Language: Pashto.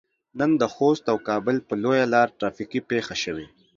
نن د خوست او کابل په لويه لار ترافيکي پېښه شوي.